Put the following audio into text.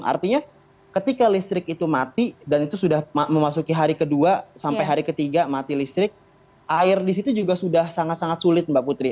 artinya ketika listrik itu mati dan itu sudah memasuki hari kedua sampai hari ketiga mati listrik air di situ juga sudah sangat sangat sulit mbak putri